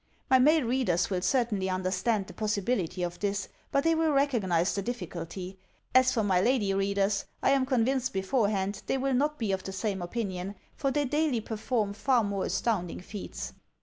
"My male readers will certainly understand the possi bility of this, but they will recognize the difficulty. As for my lady readers, I am convinced beforehand they will not be of the same opinion, for they daily perform far more astounding feats.